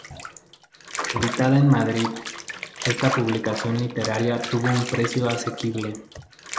Editada en Madrid, esta publicación literaria tuvo un precio asequible.